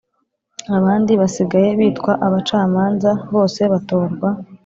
abandi basigaye bitwa Abacamanza Bose batorwa